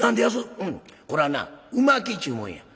「うんこれはなう巻きちゅうもんや。